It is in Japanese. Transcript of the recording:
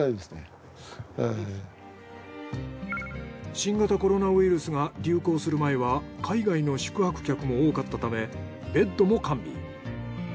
新型コロナウイルスが流行する前は海外の宿泊客も多かったためベッドも完備。